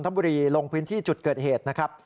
ทบุรีลงพื้นที่จุดเกิดเหตุนะครับ